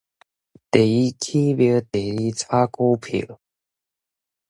第一起廟，第二炒股票